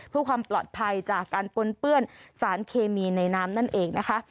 เพื่อความปลอดภัยจากการปนเปื้อนสารเคมีในน้ำนั่นเองนะคะ